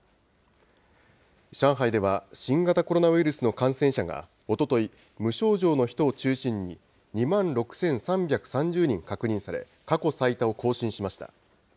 上海では新型コロナウイルスの感染者がおととい、無症状の人を中心に、２万６３３０人確認され、過去最多を更新しました。